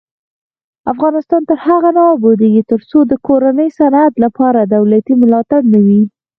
افغانستان تر هغو نه ابادیږي، ترڅو د کورني صنعت لپاره دولتي ملاتړ نه وي.